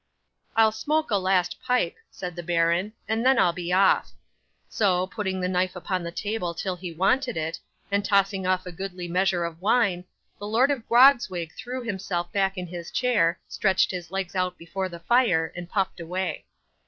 '"I'll smoke a last pipe," said the baron, "and then I'll be off." So, putting the knife upon the table till he wanted it, and tossing off a goodly measure of wine, the Lord of Grogzwig threw himself back in his chair, stretched his legs out before the fire, and puffed away.